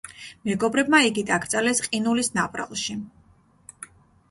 მეგობრებმა იგი დაკრძალეს ყინულის ნაპრალში.